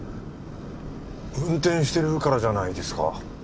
運転してるからじゃないですか？